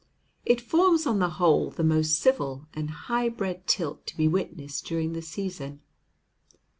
It forms on the whole the most civil and high bred tilt to be witnessed during the season.